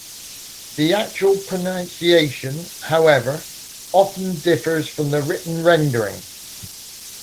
The actual pronunciation, however, often differs from the written rendering.